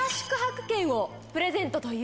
プレゼントという。